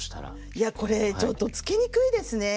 いやこれちょっとつけにくいですね。